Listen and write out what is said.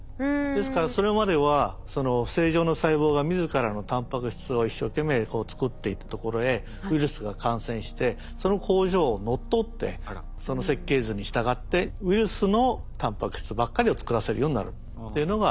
ですからそれまではその正常な細胞が自らのタンパク質を一生懸命作っていたところへウイルスが感染してその工場を乗っ取ってその設計図に従ってウイルスのタンパク質ばっかりを作らせるようになるっていうのが実際には感染なんですね。